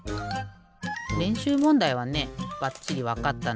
れんしゅうもんだいはねばっちりわかったのよ。